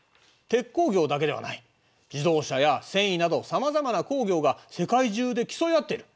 鉄鋼業だけではない自動車や繊維などさまざまな工業が世界中で競い合っている。